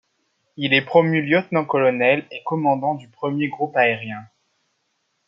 Il est promu lieutenant-colonel et commandant du premier groupe aérien.